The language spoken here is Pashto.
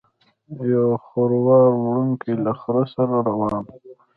یو خروار وړونکی له خره سره روان و.